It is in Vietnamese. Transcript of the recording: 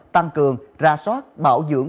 tăng cường ra soát bảo dưỡng